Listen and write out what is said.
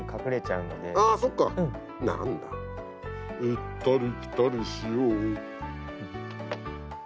行ったり来たりしよう。